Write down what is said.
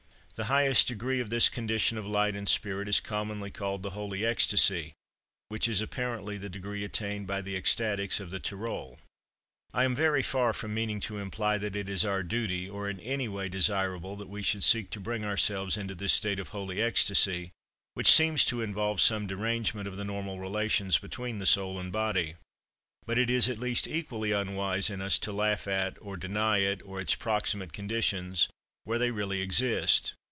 The highest degree of this condition of light and spirit is commonly called "the holy ecstasy," which is apparently the degree attained by the ecstatics of the Tyrol. I am very far from meaning to imply that it is our duty, or in any way desirable, that we should seek to bring ourselves into this state of holy ecstasy, which seems to involve some derangement of the normal relations between the soul and body; but it is at least equally unwise in us to laugh at, or deny it or its proximate conditions, where they really exist.